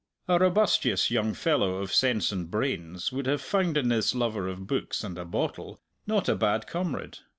A robustious young fellow of sense and brains would have found in this lover of books and a bottle not a bad comrade.